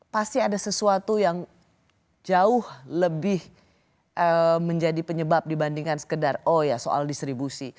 pasti ada sesuatu yang jauh lebih menjadi penyebab dibandingkan sekedar oh ya soal distribusi